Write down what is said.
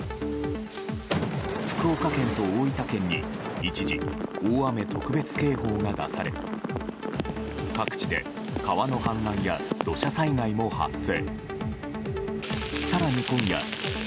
福岡県と大分県に一時、大雨特別警報が出され各地で川の氾濫や土砂災害も発生。